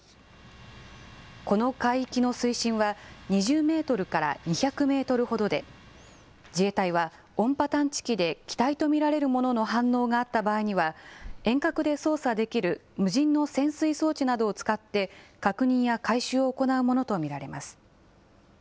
この海域の水深は、２０メートルから２００メートルほどで、自衛隊は音波探知機で機体と見られるものの反応があった場合には、遠隔で操作できる無人の潜水装置などを使って、確認や回収を行うものと見られます。